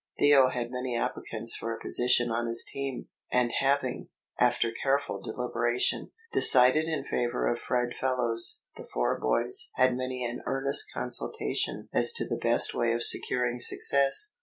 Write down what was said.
Theo had many applicants for a position on his team, and having, after careful deliberation, decided in favour of Fred Fellows, the four boys had many an earnest consultation as to the best way of securing success.